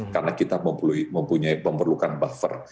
karena kita mempunyai pemberlukan buffer